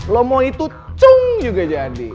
lo mau itu ceng juga jadi